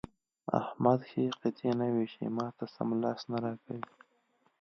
احمد ښې قطعې نه وېشي؛ ما ته سم لاس نه راکوي.